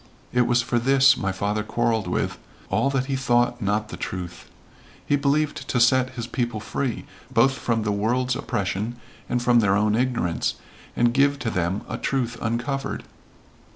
It was for this my father quarreled with all that he thought not the truth. He believed to set his people free both from the world's oppression and from their own ignorance, and give to them a truth uncovered.